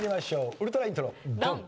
ウルトライントロドン！